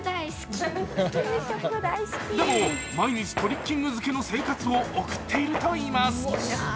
でも、毎日トリッキング漬けの生活を送っているといいます。